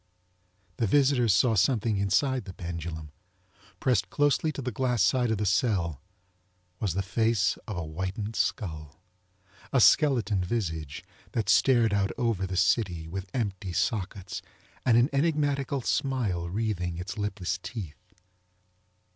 The visitors saw something inside the pendulum. Pressed closely to the glass side of the cell was the face of a whitened skull—a skeleton visage that stared out over the city with empty sockets and an enigmatical smile wreathing its lipless teeth.